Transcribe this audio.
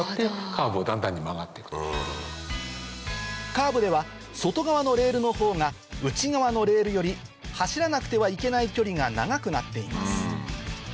カーブでは外側のレールのほうが内側のレールより走らなくてはいけない距離が長くなっています